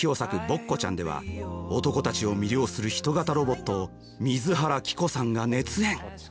「ボッコちゃん」では男たちを魅了する人型ロボットを水原希子さんが熱演。